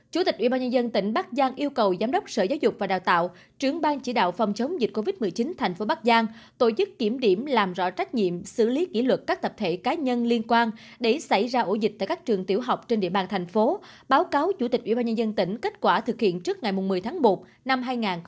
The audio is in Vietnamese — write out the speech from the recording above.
chủ tịch ủy ban nhân dân tỉnh bắc giang yêu cầu giám đốc sở giáo dục và đào tạo trướng ban chỉ đạo phòng chống dịch covid một mươi chín thành phố bắc giang tổ chức kiểm điểm làm rõ trách nhiệm xử lý kỷ luật các tập thể cá nhân liên quan để xảy ra ổ dịch tại các trường tiểu học trên địa bàn thành phố báo cáo chủ tịch ủy ban nhân dân tỉnh kết quả thực hiện trước ngày một mươi tháng một năm hai nghìn hai mươi hai